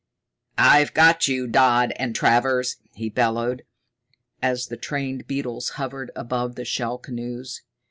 "I've got you, Dodd and Travers," he bellowed, as the trained beetles hovered above the shell canoes.